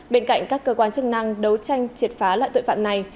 bên cạnh các cơ quan chức năng đấu tranh triệt phá loại tội phạm này